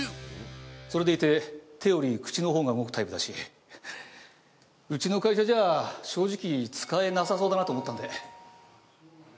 それでいて手より口の方が動くタイプだしうちの会社じゃ正直使えなさそうだなと思ったんで。